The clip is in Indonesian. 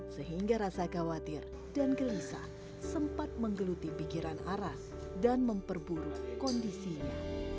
sehingga rasa khawatir dan gelisah sempat menggeluti pikiran ara dan memperburuk kondisinya